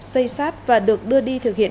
xây sát và được đưa đi thực hiện